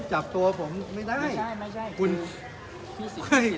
จับตัวผมไม่ได้